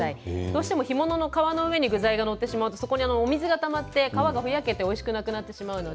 どうしても干物の皮の上に具材が載ってしまうとお水がたまって皮がふやけておいしくなくなってしまいます。